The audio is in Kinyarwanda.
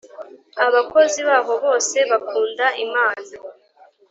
Abakozi bahobose bakunda imana.